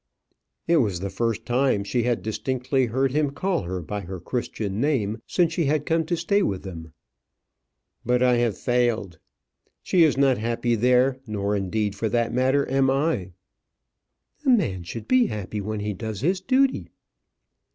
It was the first time she had distinctly heard him call her by her Christian name since she had come to stay with them. "But I have failed. She is not happy there; nor, indeed, for that matter, am I." "A man should be happy when he does his duty."